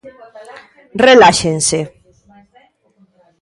Reláxense.